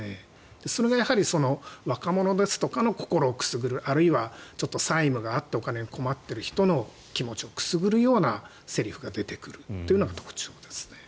それがやはり若者ですとかの心をくすぐるあるいは債務があってお金に困っている人の心をくすぐるような誘い文句が特徴ですね。